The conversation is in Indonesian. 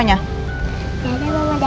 ini ada pasha